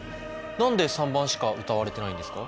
何で３番しか歌われてないんですか？